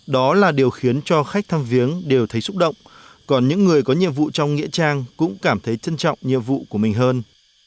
đó là điều khiến cho khách thăm viếng đều thấy xúc động còn những người có nhiệm vụ trong nghĩa trang cũng cảm thấy trân trọng nhiệm vụ của mình hơn